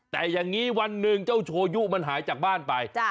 แต่อย่างนี้วันหนึ่งเจ้าโชยุมันหายจากบ้านไป